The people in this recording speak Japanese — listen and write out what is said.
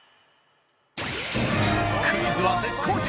クイズは絶好調！